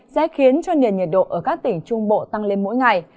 sẽ khiến cho nền nhiệt độ ở các tỉnh trung bộ tăng lên mỗi ngày